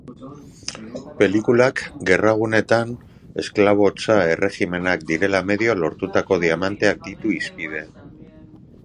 Pelikulak, gerra gunetan, esklabotza erregimenak direla medio lortutako diamanteak ditu hizpide.